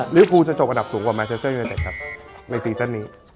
หรือภูจะจบอันดับสูงกว่าแม็กซ่าเซอร์อยู่ในสุดแรกครับในซีสันนี้